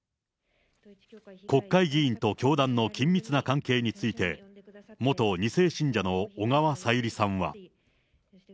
国会議員と教団の緊密な関係について、元２世信者の小川さゆりさんは。